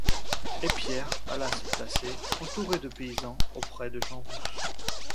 Et Pierre alla se placer, entouré de paysans, auprès de Jean Rousse.